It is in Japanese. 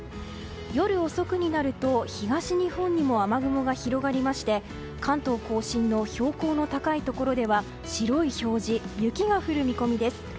夜遅くになると東日本にも雨雲が広がりまして関東・甲信の標高の高いところでは白い表示、雪が降る見込みです。